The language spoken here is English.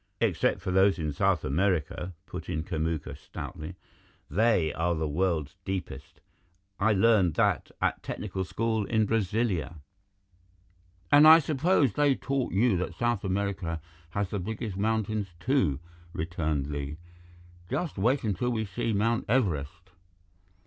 "Except for those in South America," put in Kamuka stoutly. "They are the world's deepest. I learned that at technical school in Brasilia." "And I suppose they taught you that South America has the biggest mountains, too," returned Li. "Just wait until we see Mt. Everest.